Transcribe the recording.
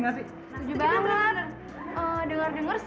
iya ibu bisa jagain dunia develops